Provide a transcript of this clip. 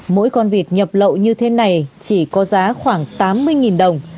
mỗi con vịt nhập lậu như thế này chỉ có giá khoảng tám mươi đồng